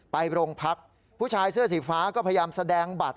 ไปโรงพักผู้ชายเสื้อสีฟ้าก็พยายามแสดงบัตร